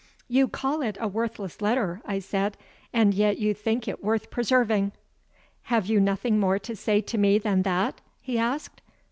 "You call it a worthless letter," I said, "and yet you think it worth preserving." "Have you nothing more to say to me than that?" he asked.